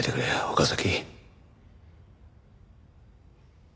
岡崎！！